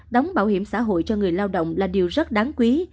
đóng bảo hiểm xã hội cho người lao động là điều rất đáng quý